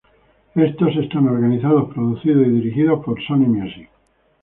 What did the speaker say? Estos están organizados, producidos y dirigidos por Sony Music.